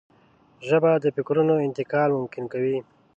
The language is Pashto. ژبه د فکرونو انتقال ممکن کوي